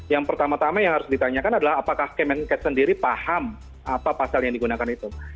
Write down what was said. yang pertama tama yang harus ditanyakan adalah apakah kemenkes sendiri paham apa pasal yang digunakan itu